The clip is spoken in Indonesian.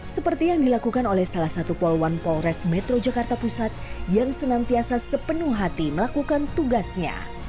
seperti yang dilakukan oleh salah satu poluan polres metro jakarta pusat yang senantiasa sepenuh hati melakukan tugasnya